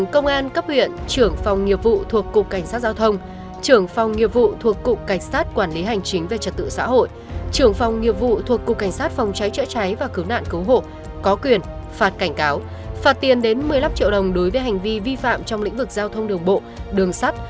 cấp xã trường đồn công an trường trạm công an cửa khẩu khu chế xuất tiểu đoàn trường tiểu đoàn cảnh sát cơ động có quyền phạt cảnh cáo phạt tiền đến hai năm triệu đồng đối với hành vi vi phạm trong lĩnh vực giao thông đường bộ đường sắt